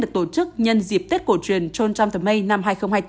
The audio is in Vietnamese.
được tổ chức nhân dịp tết cổ truyền trôn trăm thơ mây năm hai nghìn hai mươi bốn